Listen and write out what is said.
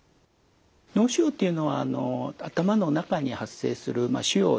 脳腫瘍っていうのはあの頭の中に発生するまあ腫瘍ですね。